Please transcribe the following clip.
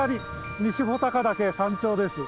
西穂高岳山頂です。